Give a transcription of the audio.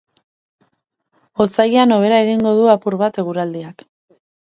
Ostiralean hobera egingo du apur bat eguraldiak.